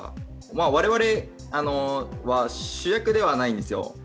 我々は主役ではないんですよ。